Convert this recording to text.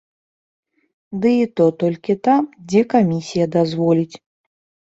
Ды і то толькі там, дзе камісія дазволіць.